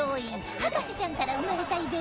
『博士ちゃん』から生まれたイベント